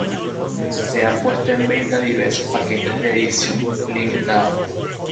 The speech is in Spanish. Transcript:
Se han puesto en venta diversos paquetes de edición limitada.